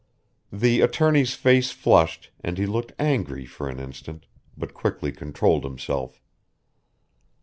The attorney's face flushed, and he looked angry for an instant, but quickly controlled himself.